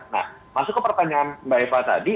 nah masuk ke pertanyaan mbak eva tadi